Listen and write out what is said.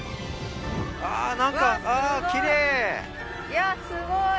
いやすごい！